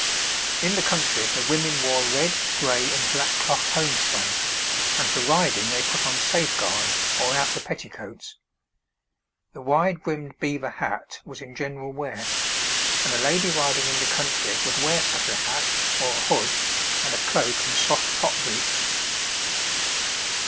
In the country the women wore red, gray, and black cloth homespun, and for riding they put on safeguards or outer petticoats. The wide brimmed beaver hat was in general wear, and a lady riding in the country would wear such a hat or a hood and a cloak and soft top boots.